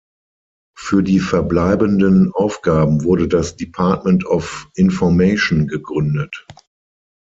Für die verbleibenden Aufgaben wurde das "Department of Information" gegründet.